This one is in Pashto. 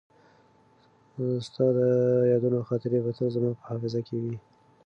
ستا د یادونو خاطرې به تل زما په حافظه کې وي.